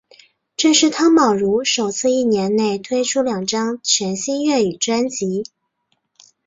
这是汤宝如首次一年内推出两张全新粤语专辑。